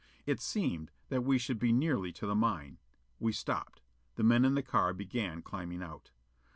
It seemed that we should be nearly to the mine. We stopped. The men in the car began climbing out.